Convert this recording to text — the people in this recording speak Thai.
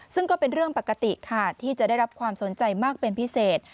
ซึ่งก็เป็นเรื่องปกติค่ะที่จะได้รับความสนใจมากเป็นพิเศษ